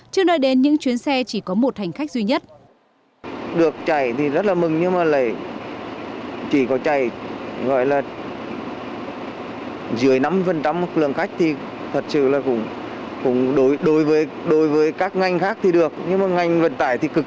trước nơi đến những chuyến xe chỉ có một hành khách duy nhất